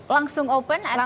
langsung open atau